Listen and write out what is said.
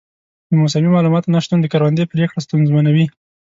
د موسمي معلوماتو نه شتون د کروندې پریکړې ستونزمنوي.